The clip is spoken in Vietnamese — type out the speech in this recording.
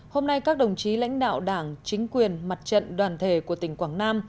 hôm nay các đồng chí lãnh đạo đảng chính quyền mặt trận đoàn thể của tỉnh quảng nam